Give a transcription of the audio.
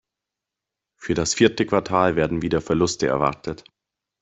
Für das vierte Quartal werden wieder Verluste erwartet.